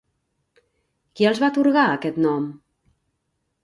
Qui els va atorgar aquest nom?